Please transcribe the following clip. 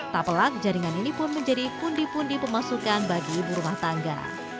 tak pelak jaringan ini pun menjadi pundi pundi pemasukan bagi ibu rumah tangga